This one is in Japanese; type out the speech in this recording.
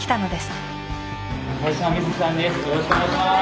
よろしくお願いします。